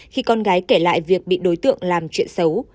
khi con gái kể lại việc bị đối tượng làm chuyện xấu